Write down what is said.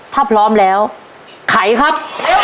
ถ้าพร้อมแล้วไขครับ